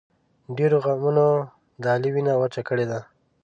ډېرو غمونو د علي وینه وچه کړې ده.